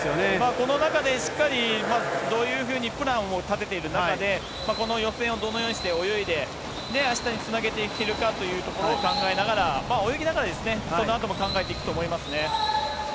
この中でしっかりどういうふうにプランを立てている中で、この予選をどのようにして泳いで、あしたにつなげていけるかというところを考えながら、泳ぎながらですね、このあとも考えていくと思いますね。